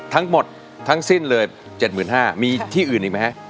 ทั้งหมดทั้งสิ้นเลย๗๕๐๐บาทมีที่อื่นอีกไหมฮะ